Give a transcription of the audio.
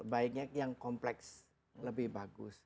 baiknya yang kompleks lebih bagus